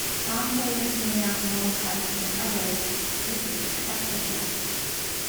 Some players may have more cards than others; this is acceptable.